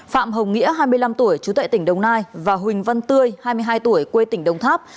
phạm hồng nghĩa hai mươi năm tuổi chú tại tỉnh đồng nai và huỳnh văn tươi hai mươi hai tuổi quê tỉnh đồng tháp